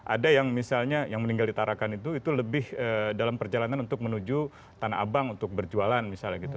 ada yang misalnya yang meninggal di tarakan itu itu lebih dalam perjalanan untuk menuju tanah abang untuk berjualan misalnya gitu